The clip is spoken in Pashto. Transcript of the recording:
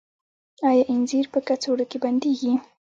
آیا انځر په کڅوړو کې بندیږي؟